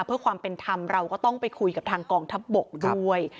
เพื่อความเป็นธรรมเราก็ต้องไปคุยกับทางกองทัพบกด้วย